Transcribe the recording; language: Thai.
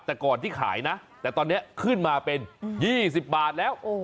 แต่ก่อนที่ขายนะแต่ตอนนี้ขึ้นมาเป็น๒๐บาทแล้ว